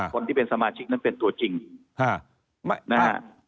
คนที่เป็นสมาชิกนั้นเป็นตัวจริงนะฮะ